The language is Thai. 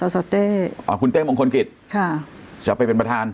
ส่อเต้คุณเต้มงคลกิจจะไปเป็นประธาน